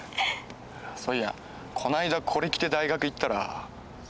そういやこないだこれ着て大学行ったら。